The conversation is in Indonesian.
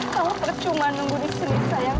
kamu percuma nunggu di sini sayang